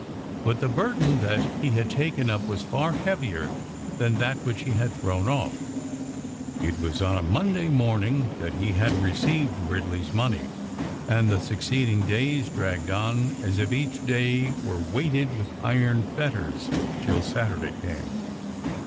But the burden that he had taken up was far heavier than that which he had thrown off. It was on a Monday morning that he had received Ridley's money; and the succeeding days dragged on as if each day were weighted with iron fetters, till Saturday came.